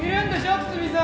堤さん。